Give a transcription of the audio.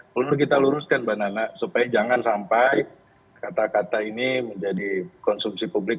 perlu kita luruskan mbak nana supaya jangan sampai kata kata ini menjadi konsumsi publik